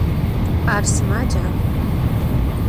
Ar sımaca?